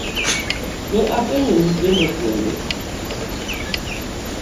ne openjo nyithinde kendo.